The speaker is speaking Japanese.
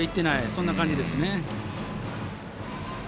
そんな感じですね。